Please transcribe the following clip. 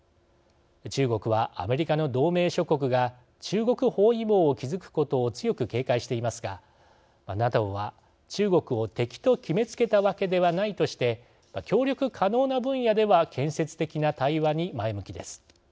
中国は、アメリカの同盟諸国が中国包囲網を築くことを強く警戒していますがＮＡＴＯは中国を敵と決めつけたわけではないとして、協力可能な分野では建設的な対話に前向きです。